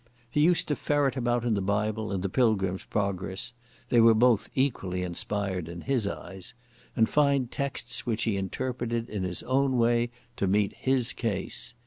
He used to ferret about in the Bible and the Pilgrim's Progress—they were both equally inspired in his eyes—and find texts which he interpreted in his own way to meet his case.